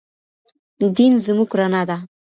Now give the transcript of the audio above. دين زموږ رڼا ده.